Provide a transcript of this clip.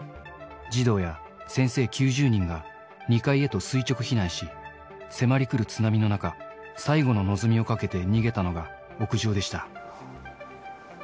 児童や先生９０人が、２階へと垂直避難し、迫り来る津波の中、最後の望みをかけて逃げたのが屋上でした。